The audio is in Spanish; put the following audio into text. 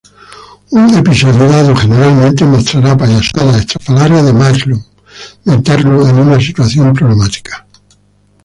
Un episodio dado generalmente mostrará payasadas estrafalarios de Marlon meterlo en una situación problemática.